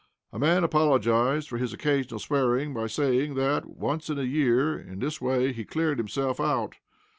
A man apologized for his occasional swearing by saying that, once in a year, in this way he cleared himself out.